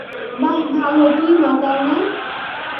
বাহ ভালো তুই মাতাল না।